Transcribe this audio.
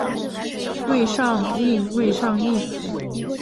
未上映未上映